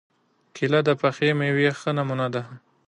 کېله د پخې مېوې ښه نمونه ده.